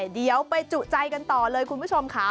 เดี๋ยวไปจุใจกันต่อเลยคุณผู้ชมค่ะ